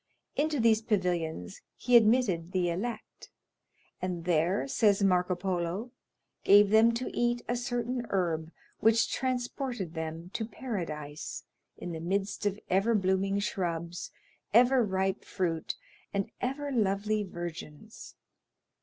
Into these pavilions he admitted the elect, and there, says Marco Polo, gave them to eat a certain herb, which transported them to Paradise, in the midst of ever blooming shrubs, ever ripe fruit, and ever lovely virgins.